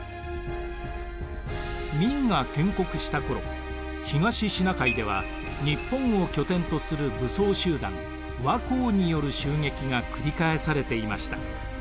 明が建国した頃東シナ海では日本を拠点とする武装集団倭寇による襲撃が繰り返されていました。